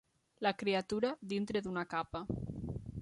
La criatura, dintre d'una capa